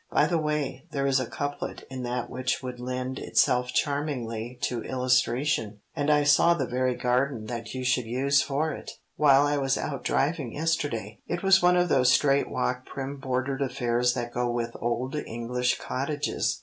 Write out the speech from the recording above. By the way, there is a couplet in that which would lend itself charmingly to illustration, and I saw the very garden that you should use for it, while I was out driving yesterday. It was one of those straight walk prim bordered affairs that go with old English cottages."